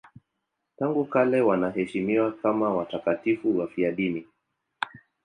Tangu kale wanaheshimiwa kama watakatifu wafiadini.